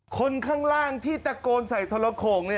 คนข้างล่างที่ตะโกนใส่ทรโข่ง